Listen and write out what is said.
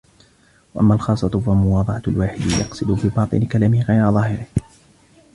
وَأَمَّا الْخَاصَّةُ فَمُوَاضَعَةُ الْوَاحِدِ يَقْصِدُ بِبَاطِنِ كَلَامِهِ غَيْرَ ظَاهِرِهِ